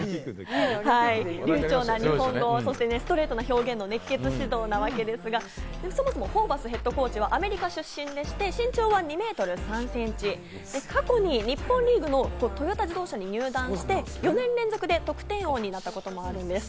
流ちょうな日本語、そしてストレートな表現の熱血指導なわけですが、そもそもホーバスＨＣはアメリカ出身でして、身長は２メートル３センチ、過去に日本リーグのトヨタ自動車で入団して４年連続で得点王になったこともあるんです。